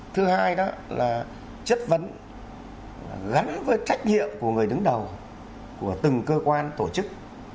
thứ hai đó là chất vấn gắn với trách nhiệm của người đứng đầu của từng cơ quan tổ chức